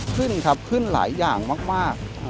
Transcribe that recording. ขึ้นครับขึ้นหลายอย่างมาก